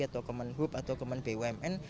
atau kemenhub atau kemen bumn